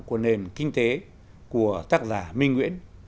của nền kinh tế của tác giả minh nguyễn